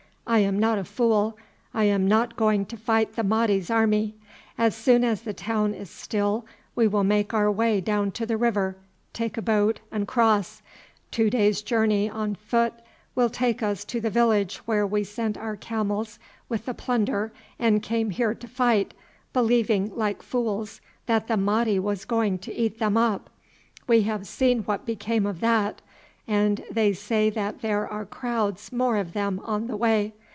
I am not a fool; I am not going to fight the Mahdi's army. As soon as the town is still we will make our way down to the river, take a boat, and cross. Two days' journey on foot will take us to the village where we sent our camels with the plunder and came on here to fight, believing, like fools, that the Mahdi was going to eat them up. We have seen what came of that, and they say that there are crowds more of them on the way.